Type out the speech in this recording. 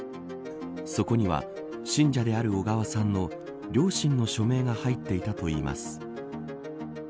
そこには信者である小川さんの両親の署名が入っていたといいます。